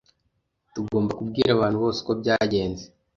Tugomba kubwira abantu bose uko byagenze.